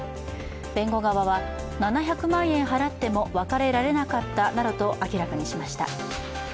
弁護側は７００万円払っても別れられなかったなどと明らかにしました。